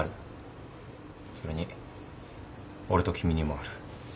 それに俺と君にもある。